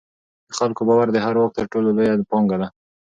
د خلکو باور د هر واک تر ټولو لویه پانګه ده